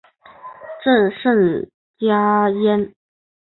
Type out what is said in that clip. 朕甚嘉焉。